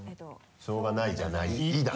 「しょうがないじゃない」「い」だね。